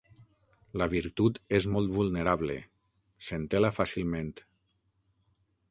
La virtut és molt vulnerable, s'entela fàcilment.